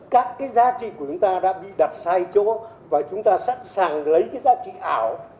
các cái giá trị của chúng ta đã bị đặt sai chỗ và chúng ta sẵn sàng lấy cái giá trị ảo